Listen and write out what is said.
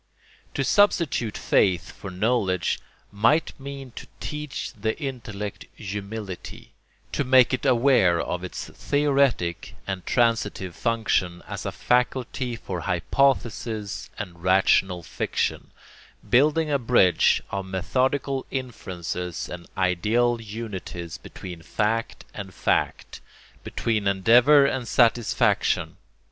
To substitute faith for knowledge might mean to teach the intellect humility, to make it aware of its theoretic and transitive function as a faculty for hypothesis and rational fiction, building a bridge of methodical inferences and ideal unities between fact and fact, between endeavour and satisfaction.